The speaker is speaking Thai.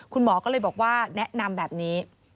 คุณหมอก็เลยบอกว่าแนะนำแบบนี้